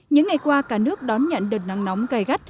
những ngày qua cả nước đón nhận đợt nắng nóng gai gắt